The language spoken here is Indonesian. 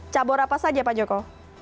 cabur apa saja pak joko